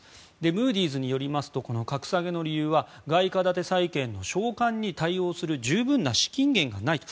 ムーディーズによりますと格下げの理由は外貨建て債券の償還に対応する十分な資金源がないと。